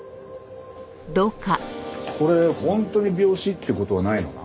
これ本当に病死って事はないのな？